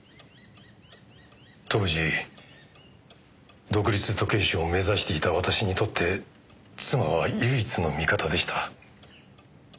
当時独立時計師を目指していた私にとって妻は唯一の味方でした。